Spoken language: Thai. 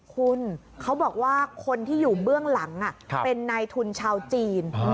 คุณเขาบอกว่าคนที่อยู่เบื้องหลังเป็นนายทุนชาวจีน